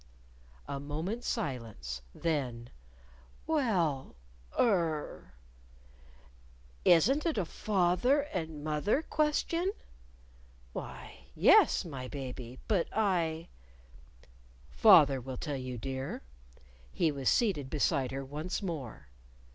A moment's silence. Then, "Well er " "Isn't it a fath er and moth er question?" "Why, yes, my baby. But I " "Father will tell you, dear." He was seated beside her once more.